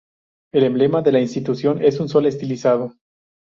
El emblema de la Institución es un sol estilizado.